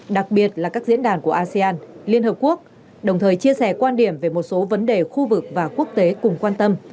đặc biệt là các diễn đàn của asean liên hợp quốc đồng thời chia sẻ quan điểm về một số vấn đề khu vực và quốc tế cùng quan tâm